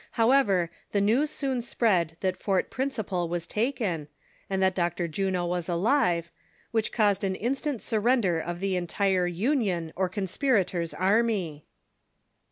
However, the news soon spread that Fort Principle was taken, and that Dr. Juno was alive, which caused an instant surrender of the entire Union or conspirators' army